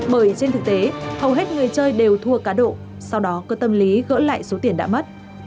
bởi trên thực tế hầu hết người chơi đều thua cá độ sau đó có tâm lý gỡ lại số tiền đã mất